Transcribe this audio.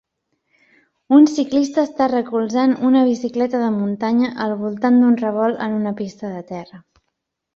Un ciclista està recolzant una bicicleta de muntanya al voltant d'un revolt en una pista de terra.